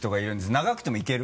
長くてもいける？